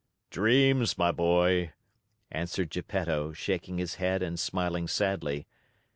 "Dreams, my boy!" answered Geppetto, shaking his head and smiling sadly.